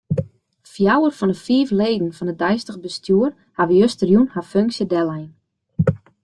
Fjouwer fan 'e fiif leden fan it deistich bestjoer hawwe justerjûn har funksje dellein.